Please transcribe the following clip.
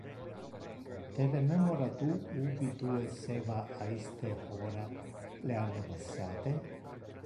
Te rememora tu ubi tu esseva a iste hora le anno passate?